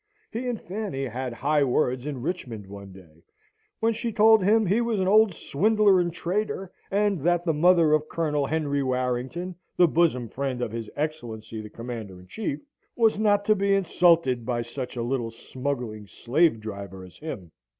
He and Fanny had high words in Richmond one day, when she told him he was an old swindler and traitor, and that the mother of Colonel Henry Warrington, the bosom friend of his Excellency the Commander in Chief, was not to be insulted by such a little smuggling slave driver as him!